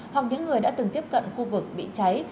hoặc những người đã từng tiếp cận khu vực bị cháy